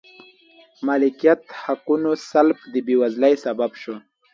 مالکیت حقونو سلب د بېوزلۍ سبب شو.